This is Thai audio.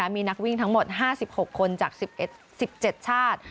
มีนักวิ่งทั้งหมด๕๖คนจาก๑๑๗ชาติ